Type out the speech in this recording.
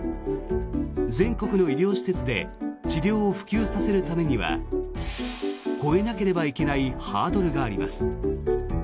全国の医療施設で治療を普及させるためには越えなければいけないハードルがあります。